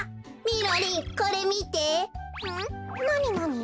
なになに？